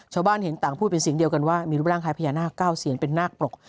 ชาวบ้านเห็นต่างพูดเป็นเสียงเดียวกันว่ามีรูปร่างคล้ายพญานาคเก้าเซียนเป็นนาคปรก